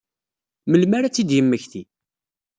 Melmi ara ad tt-id-yemmekti?